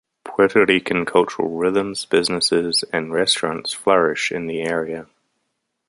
Puerto Rican cultural rhythms, businesses, and restaurants flourish in the area.